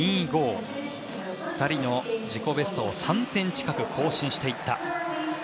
２人の自己ベストを３点近く更新していった。